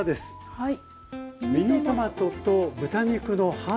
はい。